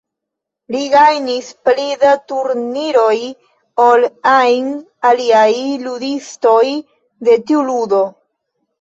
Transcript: Li gajnis pli da turniroj ol ajn aliaj ludistoj de tiu ludo.